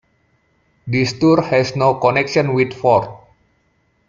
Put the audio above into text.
This tour has no connection with Ford.